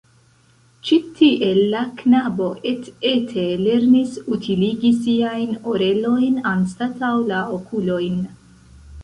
Ĉi tiel la knabo et-ete lernis utiligi siajn orelojn anstataŭ la okulojn.